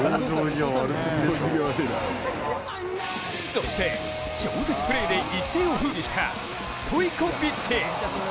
そして、超絶プレーで一世をふうびしたストイコビッチ。